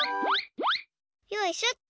よいしょっと。